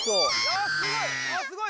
すごい！